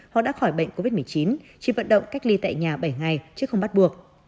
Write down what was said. họ đã khỏi bệnh covid một mươi chín chỉ vận động cách ly tại nhà bảy ngày chứ không bắt buộc